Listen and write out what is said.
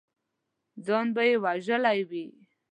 ځان به مې وژلی وي!